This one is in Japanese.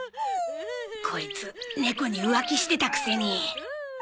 コイツ猫に浮気してたくせに。